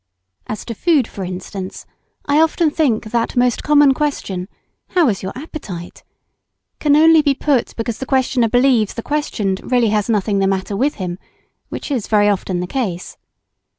As to food, for instance, I often think that most common question, How is your appetite? can only be put because the questioner believes the questioned has really nothing the matter with him, which is very often the case.